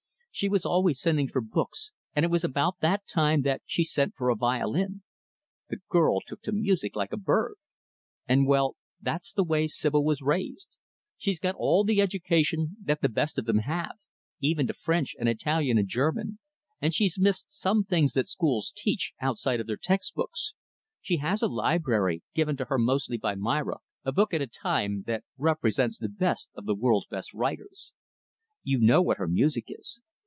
She was always sending for books and it was about that time that she sent for a violin. The girl took to music like a bird. And well that's the way Sibyl was raised. She's got all the education that the best of them have even to French and Italian and German and she's missed some things that the schools teach outside of their text books. She has a library given to her mostly by Myra, a book at a time that represents the best of the world's best writers. You know what her music is.